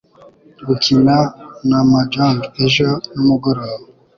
gukina na mahjong ejo nimugoroba